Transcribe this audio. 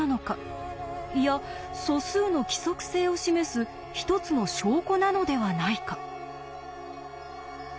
いや素数の規則性を示す一つの証拠なのではないか？